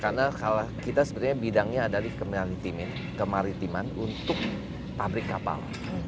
karena kita sebenarnya bidangnya adalah di kemaritiman untuk pabrik kapal